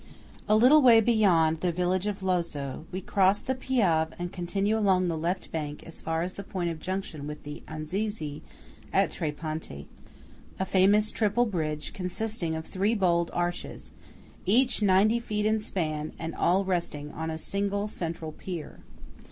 A little way beyond the village of Lozzo, we cross the Piave and continue along the left bank as far as its point of junction with the Anziei at Tre Ponti–a famous triple bridge consisting of three bold arches, each ninety feet in span, and all resting on a single central pier.